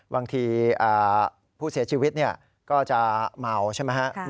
บางทีผู้เสียชีวิตก็จะเมาใช่ไหมครับ